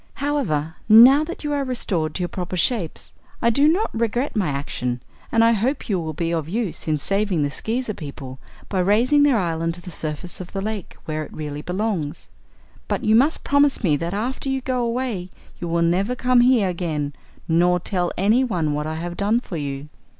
"However, now that you are restored to your proper shapes, I do not regret my action and I hope you will be of use in saving the Skeezer people by raising their island to the surface of the lake, where it really belongs. But you must promise me that after you go away you will never come here again, nor tell anyone what I have done for you."